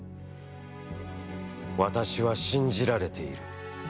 私は、信じられている。